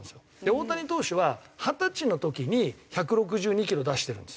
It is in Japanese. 大谷投手は二十歳の時に１６２キロ出してるんです。